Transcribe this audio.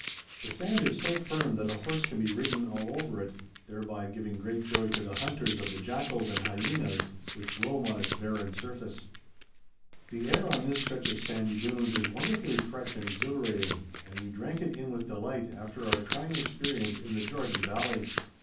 The sand is so firm that a horse can be ridden all over it, thereby giving great joy to the hunters of the jackals and hyenas which roam on its barren surface. The air on this stretch of sandy dunes is wonderfully fresh and exhilarating, and we drank it in with delight after our trying experience in the Jordan Valley.